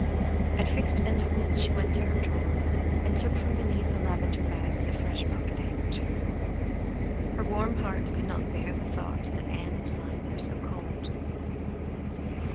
At fixed intervals she went to her drawer, and took from beneath the lavender bags a fresh pocket handkerchief. Her warm heart could not bear the thought that Ann was lying there so cold.